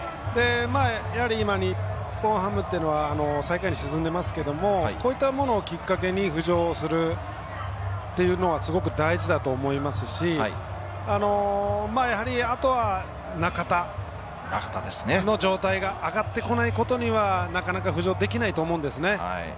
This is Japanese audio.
やはり、今日本ハムというのが最下位に沈んでいますけれどこういったものをきっかけに浮上するというのはすごく大事だと思いますしやはりあとは中田の状態が上がってこないことにはなかなか浮上できないと思うんですね。